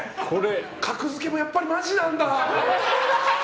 「格付け」もやっぱりまじなんだ。